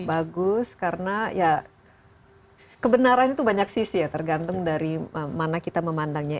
bagus karena ya kebenaran itu banyak sisi ya tergantung dari mana kita memandangnya